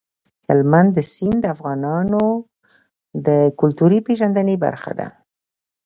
هلمند سیند د افغانانو د کلتوري پیژندنې برخه ده.